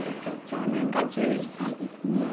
長男が１１歳ですね。